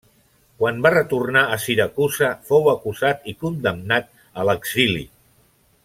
Quan va retornar a Siracusa fou acusat i condemnat a l'exili.